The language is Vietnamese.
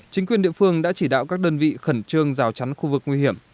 chính quyền địa phương đã chỉ đạo các đơn vị khẩn trương rào chắn khu vực nguy hiểm